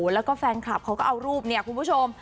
แล้วก็แฟนคลับเขาก็เอารูปเนี่ยคุณผู้ชม